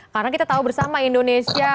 karena kita tahu bersama indonesia